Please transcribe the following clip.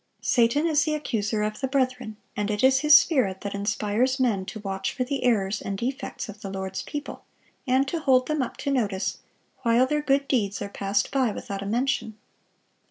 Satan is "the accuser of the brethren," and it is his spirit that inspires men to watch for the errors and defects of the Lord's people, and to hold them up to notice, while their good deeds are passed by without a mention.